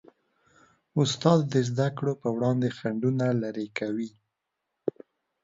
استاد د زدهکړو په وړاندې خنډونه لیرې کوي.